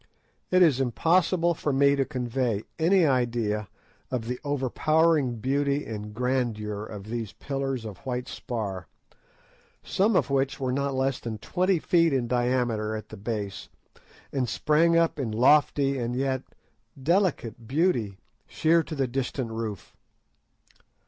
It is impossible for me to convey any idea of the overpowering beauty and grandeur of these pillars of white spar, some of which were not less than twenty feet in diameter at the base, and sprang up in lofty and yet delicate beauty sheer to the distant roof.